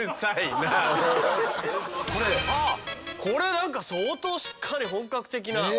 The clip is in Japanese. これ何か相当しっかり本格的な。